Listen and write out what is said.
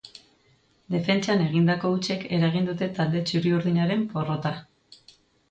Defentsan egindako hutsek eragin dute talde txuri-urdinaren porrota.